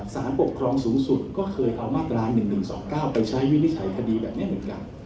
สารปกครองสูงสุดก็เคยเอามาตรา๑๑๒๙ไปใช้วินิจฉัยคดีแบบนี้เหมือนกัน